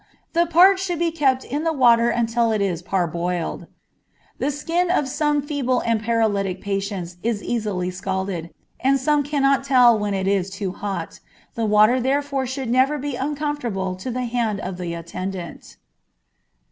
The part should be kept in the water until it is parboiled. The skin of some feeble or paralytic patients is easily scalded, and some cannot tell when it is too hot; the water therefore should never be uncomfortable to the hand of the attendant.